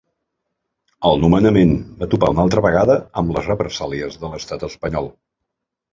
El nomenament va topar una altra vegada amb les represàlies de l’estat espanyol.